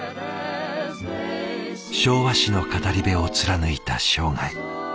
昭和史の語り部を貫いた生涯。